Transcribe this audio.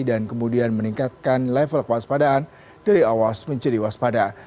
dan kemudian meningkatkan level kewaspadaan dari awas menjadi waspada